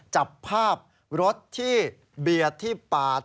จับภาพรถที่เบียดที่ปาด